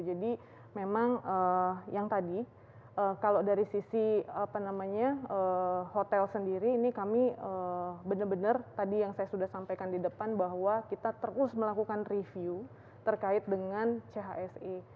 jadi memang yang tadi kalau dari sisi apa namanya hotel sendiri ini kami benar benar tadi yang saya sudah sampaikan di depan bahwa kita terus melakukan review terkait dengan chse